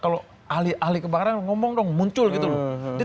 kalau ahli ahli kebakaran ngomong dong muncul gitu loh